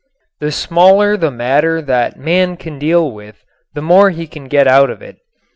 The smaller the matter that man can deal with the more he can get out of it.